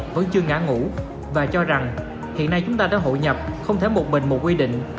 vẫn chưa ngã ngũ và cho rằng hiện nay chúng ta đã hội nhập không thể một mình một quy định